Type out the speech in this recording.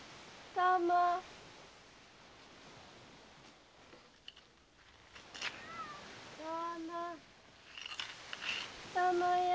たまや。